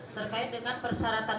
terkait dengan persyaratan